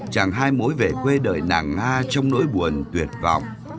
chẳng hai mối về quê đời nàng nga trong nỗi buồn tuyệt vọng